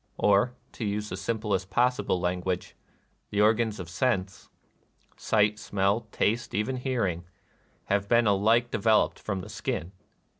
Or, to use the simplest pos sible language, the organs of sense — sight, 226 NIRVANA smell, taste, even hearing — have been alike developed from the skin!